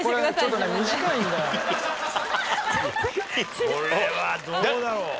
これはどうだろう？